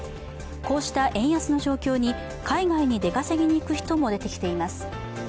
こうした円安の状況に海外に出稼ぎに行く人が出てきています。